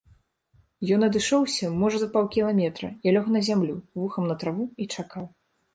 Ён адышоўся можа за паўкіламетра, і лёг на зямлю, вухам на траву, і чакаў.